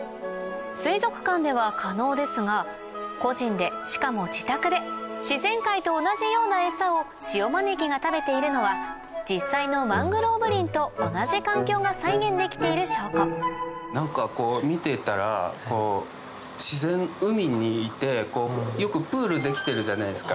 水族館では可能ですが個人でしかも自宅で自然界と同じようなエサをシオマネキが食べているのは実際のマングローブ林と同じ環境が再現できている証拠何かこう見てたら自然海にいてよくプール出来てるじゃないですか。